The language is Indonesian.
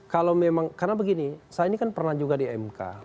kalau memang karena begini saya ini kan pernah juga di mk